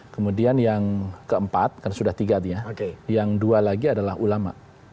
kemudian yang keempat kan sudah tiga yang dua lagi adalah ulama